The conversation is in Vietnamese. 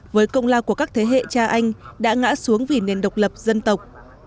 với công lao của các thế hệ cha anh đã ngã xuống vì nền độc lập dân tộc